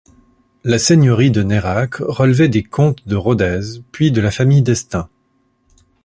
La seigneurie de Neyrac relevait des comtes de Rodez, puis de la famille d'Estaing.